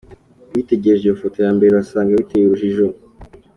Witegereje iyo foto ya mbere, urasanga biteye urujijo.